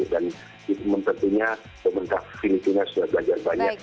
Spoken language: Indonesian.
dan itu menentunya pemerintah filipina sudah belajar banyak